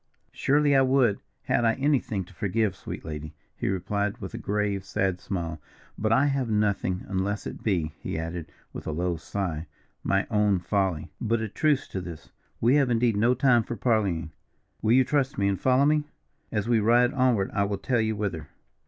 "Surely I would, had I anything to forgive, sweet lady," he replied, with a grave, sad smile. "But I have nothing, unless it be," he added, with a low sigh, "my own folly. But a truce to this, we have indeed no time for parleying. Will you trust me and follow me? As we ride onward I will tell you whither."